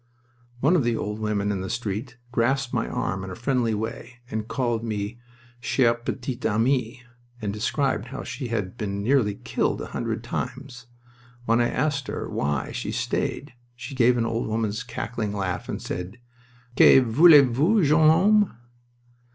One of the old women in the street grasped my arm in a friendly way and called me cher petit ami, and described how she had been nearly killed a hundred times. When I asked her why she stayed she gave an old woman's cackling laugh and said, "Que voulez vous, jeune homme?"